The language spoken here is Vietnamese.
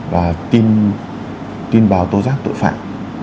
và tin báo tố giác tội phạm